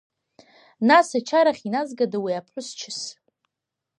Нас, ачарахь иназгада уи аԥҳәыс чыс?!